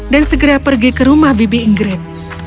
dan segera pergi ke rumah bibi ingrid